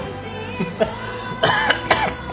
ハハハ。